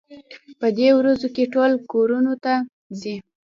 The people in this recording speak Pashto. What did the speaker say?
په دې ورځو کې ټول کورونو ته ځي.